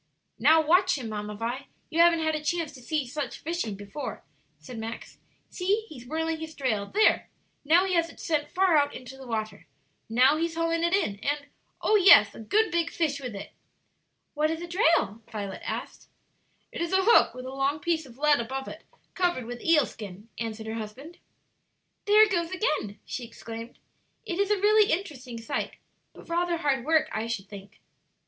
"Now, watch him, Mamma Vi; you haven't had a chance to see just such fishing before," said Max. "See, he's whirling his drail; there! now he has sent it far out into the water. Now he's hauling it in, and oh yes, a good big fish with it." "What is a drail?" Violet asked. "It is a hook with a long piece of lead above it covered with eel skin," answered her husband. "There it goes again!" she exclaimed. "It is a really interesting sight, but rather hard work, I should think."